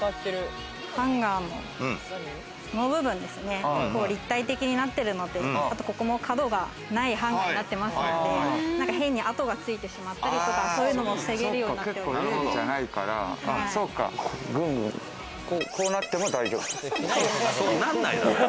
ハンガーの、この部分ですね、立体的になっているので、あと、ここの角がないハンガーになってますので変に跡がついてしまったりとか、そういうのも防げるようになっております。